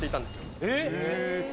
えっ！